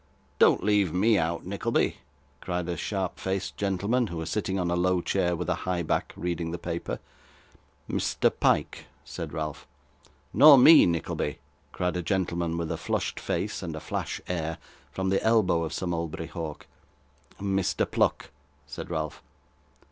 'Don't leave me out, Nickleby,' cried a sharp faced gentleman, who was sitting on a low chair with a high back, reading the paper. 'Mr. Pyke,' said Ralph. 'Nor me, Nickleby,' cried a gentleman with a flushed face and a flash air, from the elbow of Sir Mulberry Hawk. 'Mr. Pluck,' said Ralph.